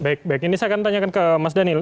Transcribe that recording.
baik baik ini saya akan tanyakan ke mas daniel